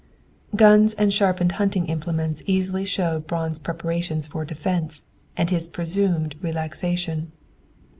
Guns and sharpened hunting implements easily showed Braun's preparations for defense, and his presumed relaxation.